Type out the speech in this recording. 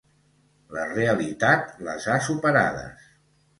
La realitat les ha superades.